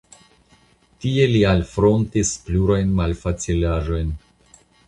Tie li alfrontis plurajn malfacilaĵojn.